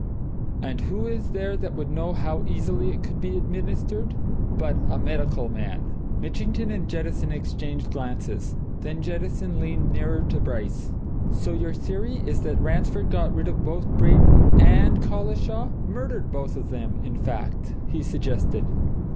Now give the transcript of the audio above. And who is there that would know how easily it could be administered but a medical man?" Mitchington and Jettison exchanged glances. Then Jettison leaned nearer to Bryce. "So your theory is that Ransford got rid of both Braden and Collishaw murdered both of them, in fact?" he suggested.